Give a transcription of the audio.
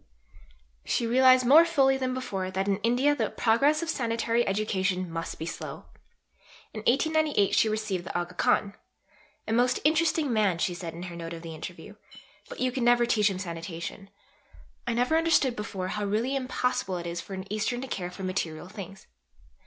She realized more fully than before that in India the progress of sanitary education must be slow. In 1898 she received the Aga Khan. "A most interesting man," she said in her note of the interview; "but you could never teach him sanitation. I never understood before how really impossible it is for an Eastern to care for material things.